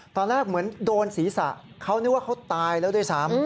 ตอนแรกเหมือนโดนศีรษะเขานึกว่าเขาตายแล้วด้วยซ้ำ